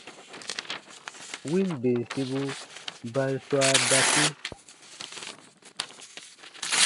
Win bensibu ba n swaa dakii.